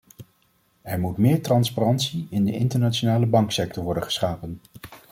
Er moet meer transparantie in de internationale banksector worden geschapen.